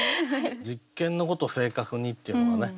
「実験のごと正確に」っていうのがね